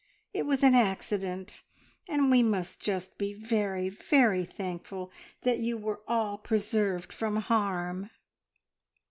It was an accident, and we must just be very, very thankful that you were all preserved from harm."